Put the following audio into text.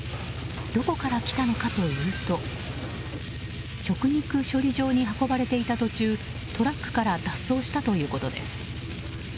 どこから来たのかというと食肉処理場に運ばれていた途中トラックから脱走したということです。